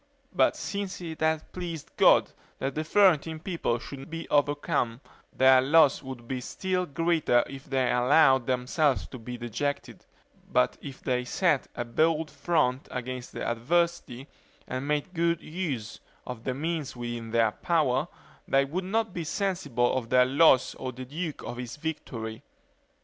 But since it had pleased God, that the Florentine people should be overcome, their loss would be still greater if they allowed themselves to be dejected; but if they set a bold front against adversity, and made good use of the means within their power, they would not be sensible of their loss or the duke of his victory.